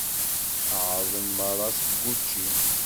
Ԑerḍen merra seg wučči.